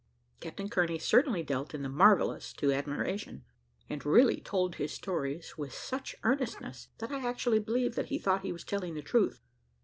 Captain Kearney certainly dealt in the marvellous to admiration, and really told his stories with such earnestness, that I actually believe that he thought he was telling the truth.